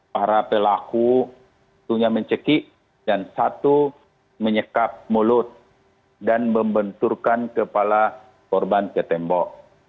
para pelaku setelah mencekik dan satu menyekap mulut dan membenturkan kepala korban ke tembok